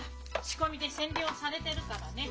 仕込みで占領されてるからね。